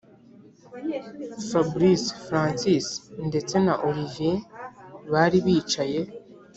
fabric, francis ndetse na olivier bari bicaye